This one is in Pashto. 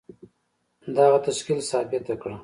دغه تشکيل ثابته کړه.